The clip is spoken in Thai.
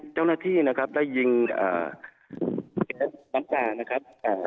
เจ้าหน้าที่นะครับได้ยิงอ่าน้ำตานะครับอ่า